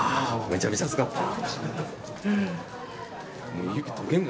めちゃめちゃ熱かった。